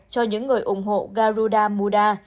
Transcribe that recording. cho những người ủng hộ garuda muda